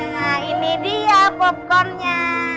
nah ini dia popcornnya